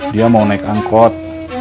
dia mau naik angkot